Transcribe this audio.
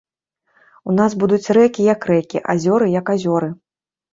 У нас будуць рэкі як рэкі, азёры як азёры.